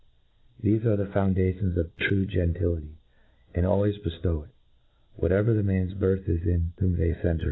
Thefe ape the foundations of true gentility, and always beftow it — ^whatever the man's birth is in whom they centre.